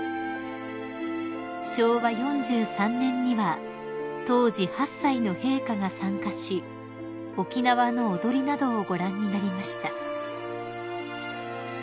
［昭和４３年には当時８歳の陛下が参加し沖縄の踊りなどをご覧になりました］